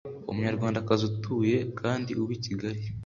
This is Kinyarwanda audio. umunyarwandakazi utuye kandi uba i Kigali